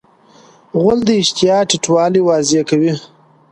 غول د اشتها ټیټوالی واضح کوي.